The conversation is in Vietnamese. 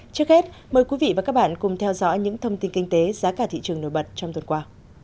trước hết mời quý vị và các bạn cùng theo dõi những thông tin kinh tế giá cả thị trường nổi bật trong tuần qua